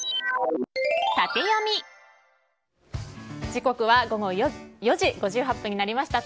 時刻は午後４時５８分になりました。